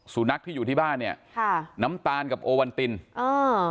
สุนัขที่อยู่ที่บ้านเนี้ยค่ะน้ำตาลกับโอวันตินอ่า